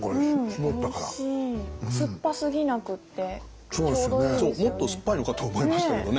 もっと酸っぱいのかと思いましたけどね。